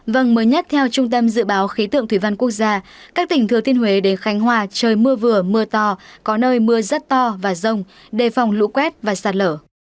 vâng mới nhất theo trung tâm dự báo khí tượng thủy văn quốc gia các tỉnh thừa thiên huế đến khánh hòa trời mưa vừa mưa to có nơi mưa rất to và rông đề phòng lũ quét và sạt lở